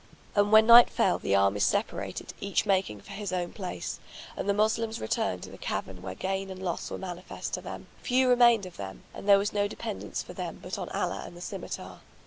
And when night fell the armies separated each making for his own place; and the Moslems returned to the cavern where gain and loss were manifest to them: few remained of them; and there was no dependence for them but on Allah and the scymitar.